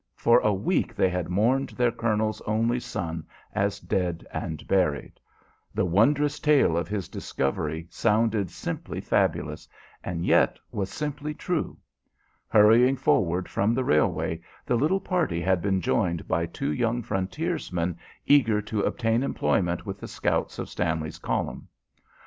For a week they had mourned their colonel's only son as dead and buried. The wondrous tale of his discovery sounded simply fabulous, and yet was simply true. Hurrying forward from the railway, the little party had been joined by two young frontiersmen eager to obtain employment with the scouts of Stanley's column.